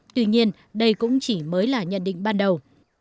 tuy nhiên đây cũng chỉ mới là nhận định ban đầu